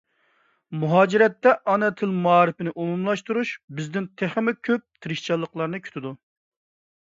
مۇھاجىرەتتە ئانا تىل مائارىپىنى ئومۇملاشتۇرۇش بىزدىن تېخىمۇ كۆپ تىرىشچانلىقلارنى كۈتىدۇ.